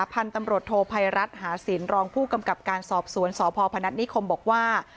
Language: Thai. พันธุ์ตำรวจโทภัยรัฐหาศิลปรองผู้กำกับการสอบสวนสพพนัฐนิคมบอกว่า